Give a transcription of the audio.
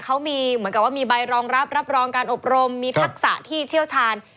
เขามีเหมือนกับว่ามีใบรองรับรับรองการอบรมมีทักษะที่เชี่ยวชาญ